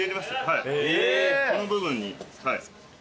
はいこの部分に。